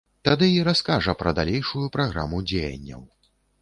Тады і раскажа пра далейшую праграму дзеянняў.